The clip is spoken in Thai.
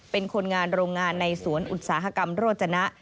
เป็นคนงานโรงงานในสวนอุตสาหกรรมโรจนะ